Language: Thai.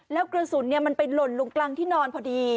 แล้วกระสุนมันไปหล่นลงกลางที่นอนพอดี